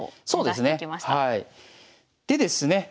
そうですね。